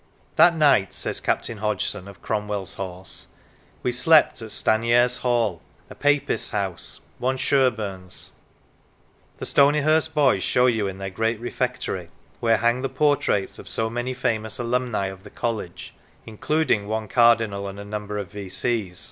" That night," says Captain Hodgson of Cromwell's Horse, "we slept at Stanyares Hall, a Papist's house, one Sherburn's." The Stonyhurst boys show you, in their great Refectory (where hang the portraits of so many famous alumni of the college, including one Cardinal and a number of V.C.'